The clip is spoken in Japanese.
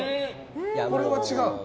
これは違う。